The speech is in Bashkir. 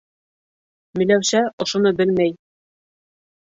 Миләүшә ошоно белмәй.